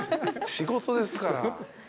仕事ですから。